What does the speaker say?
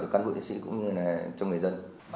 cho các đội chiến sĩ cũng như là cho người dân